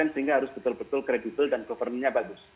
sehingga harus betul betul kredibel dan governingnya bagus